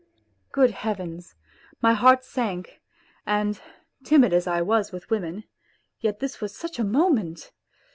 Good Heavens ! My heart sank. And timid as I was with women, yet this was such a moment